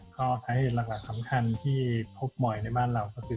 ก็สาเหตุหลักสำคัญที่พบบ่อยในบ้านเราก็คือ